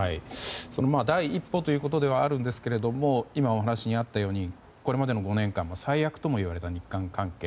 第一歩ということではあるんですが今、お話にあったようにこれまでの５年間最悪ともいわれた日韓関係。